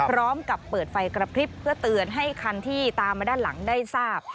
พร้อมกับเปิดไฟกระพริบเพื่อเตือนให้คันที่ตามมาด้านหลังได้ทราบ